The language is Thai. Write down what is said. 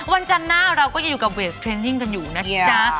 วันจันทร์หน้าเราก็ยังอยู่กับเวทเทรนนิ่งกันอยู่นะจ๊ะ